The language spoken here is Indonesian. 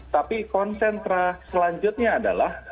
tapi konsentrasi selanjutnya adalah